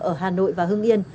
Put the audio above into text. ở hà nội và hương yên